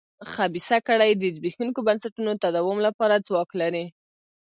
خبیثه کړۍ د زبېښونکو بنسټونو تداوم لپاره ځواک لري.